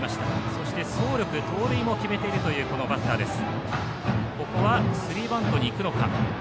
そして、走力盗塁も決めているというバッターです。